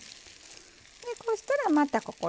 こうしたらまた。